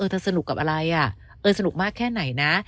สนุกกับอะไรสนุกมากแค่ไหนนะ